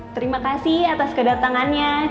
terima kasih atas kedatangannya